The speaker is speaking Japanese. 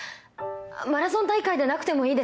マラソン大会でなくてもいいです。